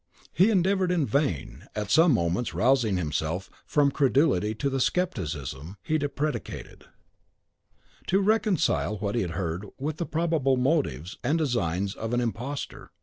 He endeavoured in vain, at some moments rousing himself from credulity to the scepticism he deprecated, to reconcile what he had heard with the probable motives and designs of an imposter.